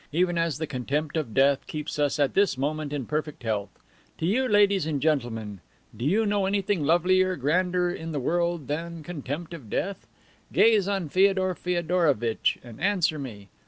Even as the contempt of death keeps us, at this moment, in perfect health. To you, ladies and gentlemen! Do you know anything lovelier, grander, in the world than contempt of death? Gaze on Feodor Feodorovitch and answer me.